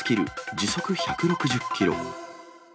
時速１６０キロ。